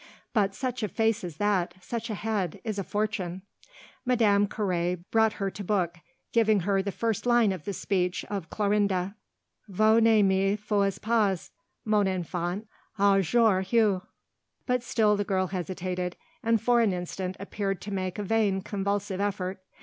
But such a face as that, such a head, is a fortune!" Madame Carré brought her to book, giving her the first line of the speech of Clorinde: "Vous ne me fuyez pas, mon enfant, aujourd'hui." But still the girl hesitated, and for an instant appeared to make a vain, convulsive effort.